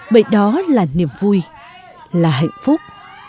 vậy đó là niềm vui là hạnh phúc